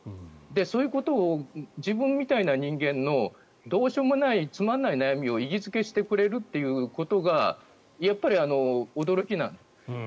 そういうことを自分みたいな人間のどうしようもないつまらない悩みを意義付けしてくれるということがやっぱり驚きなんです。